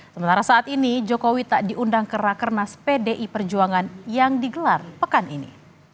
sementara saat ini jokowi tak diundang ke rakernas pdi perjuangan yang digelar pekan ini